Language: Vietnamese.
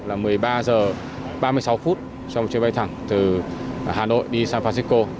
là một mươi ba h ba mươi sáu phút cho một chuyến bay thẳng từ hà nội đi san francisco